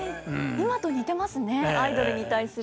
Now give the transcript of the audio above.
今と似てますねアイドルに対する。